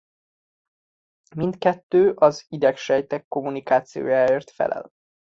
Mindkettő az idegsejtek kommunikációjáért felel.